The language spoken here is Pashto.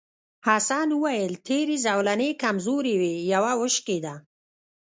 حسن وویل تېرې زولنې کمزورې وې یوه وشکېده.